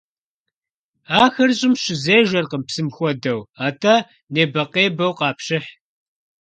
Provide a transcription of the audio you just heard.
Ахэр щӀым щызежэркъым, псым хуэдэу, атӀэ небэкъебэу къапщыхь.